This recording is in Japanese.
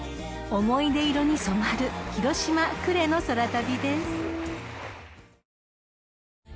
［思い出色に染まる広島呉の空旅です］